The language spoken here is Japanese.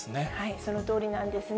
そのとおりなんですね。